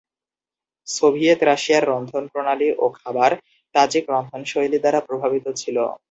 Soviet রাশিয়ার রন্ধনপ্রণালী ও খাবার, তাজিক রন্ধনশৈলী দ্বারা প্রভাবিত ছিল।